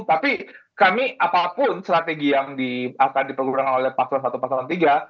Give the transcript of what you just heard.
tapi kami apapun strategi yang dipergurangkan oleh pak sloan i dan pak sloan iii